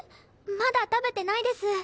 まだ食べてないです。